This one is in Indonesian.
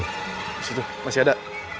di situ masih ada